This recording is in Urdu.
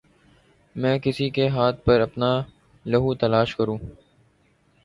میں کس کے ہاتھ پر اپنا لہو تلاش کروں